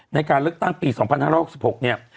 ในการเลือกตั้งปี๒๕๖๖เนี่ย